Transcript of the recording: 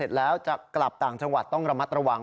เป็ดแล้วจากกลับต่างจังหวัดตรงรมตระหวัง